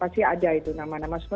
pasti ada itu nama nama